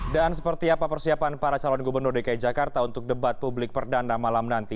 dan seperti apa persiapan para calon gubernur dki jakarta untuk debat publik perdana malam nanti